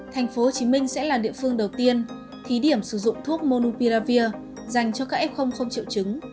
thành phố hồ chí minh sẽ là địa phương đầu tiên thí điểm sử dụng thuốc monupiravir dành cho các f không triệu chứng